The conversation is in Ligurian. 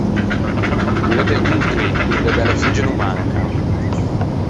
O l’é de Otri, donde e belle figge no mancan.